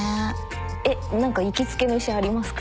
えっ何か行きつけの医者ありますか？